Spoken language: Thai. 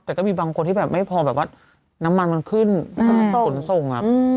แต่ก็มีบางคนที่แบบไม่พอแบบว่าน้ำมันมันขึ้นขนส่ง